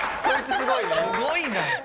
すごいな。